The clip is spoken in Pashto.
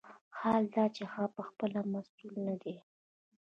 حال دا چې هغه پخپله مسوول نه دی.